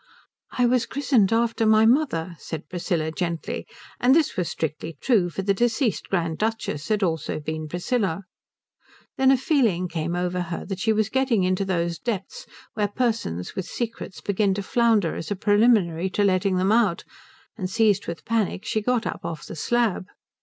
"I was christened after my mother," said Priscilla gently; and this was strictly true, for the deceased Grand Duchess had also been Priscilla. Then a feeling came over her that she was getting into those depths where persons with secrets begin to flounder as a preliminary to letting them out, and seized with panic she got up off the slab.